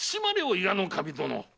伊賀守殿。